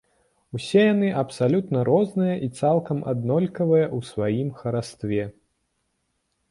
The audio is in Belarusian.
Усе яны абсалютна розныя і цалкам аднолькавыя ў сваім харастве.